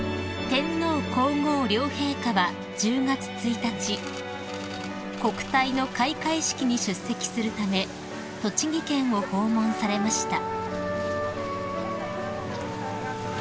［天皇皇后両陛下は１０月１日国体の開会式に出席するため栃木県を訪問されました］